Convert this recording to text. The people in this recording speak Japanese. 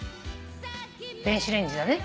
電子レンジだね。